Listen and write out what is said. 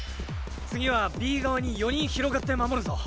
次はＢ側に４人広がって守るぞ。